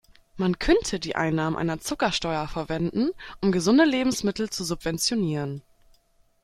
Man könnte die Einnahmen einer Zuckersteuer verwenden, um gesunde Lebensmittel zu subventionieren.